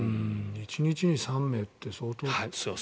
１日に３名って相当。